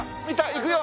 いくよ！